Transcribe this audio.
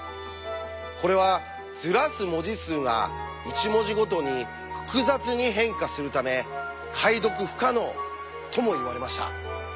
これはずらす文字数が１文字ごとに複雑に変化するため解読不可能ともいわれました。